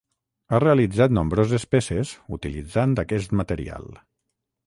Ha realitzat nombroses peces utilitzant aquest material.